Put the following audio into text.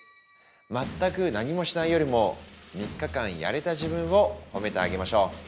全く何もしないよりも３日間やれた自分を褒めてあげましょう。